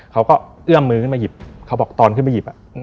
เอื้อมมือขึ้นมาหยิบเขาบอกตอนขึ้นไปหยิบ